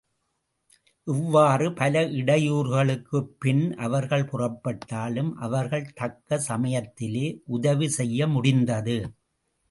இவ்வாறு பல இடையூறுகளுக்குப் பின் அவர்கள் புறப்பட்டாலும் அவர்கள் தக்க சமயத்திலே உதவி செய்ய முடிந்தது.